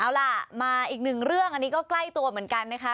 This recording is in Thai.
เอาล่ะมาอีกหนึ่งเรื่องอันนี้ก็ใกล้ตัวเหมือนกันนะคะ